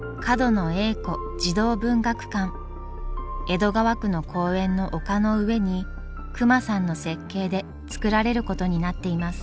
江戸川区の公園の丘の上に隈さんの設計で造られることになっています。